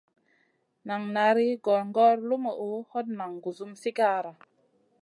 Nan nari gongor lumuʼu, hot nan gusum sigara.